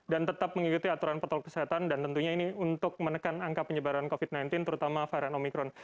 dan tetap mengikuti aturan protokol kesehatan dan tentunya ini untuk menekan angka penyebaran covid sembilan belas terutama varian omicron